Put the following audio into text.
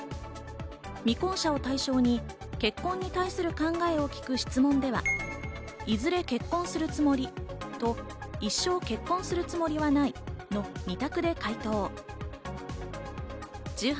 未婚者を対象に結婚に関する考えを聞く質問では、いずれ結婚するつもりと、一生結婚するつもりはないと２択で回答。